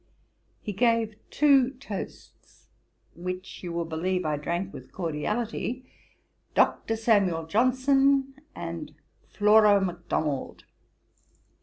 He gave two toasts, which you will believe I drank with cordiality, Dr. Samuel Johnson, and Flora Macdonald.